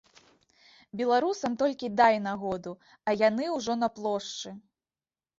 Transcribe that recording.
Беларусам толькі дай нагоду, а яны ўжо на плошчы.